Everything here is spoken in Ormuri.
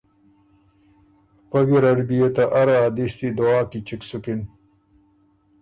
پۀ ګیرډ بيې ته اره ا دِستی دعا کی چِګ سُکِن،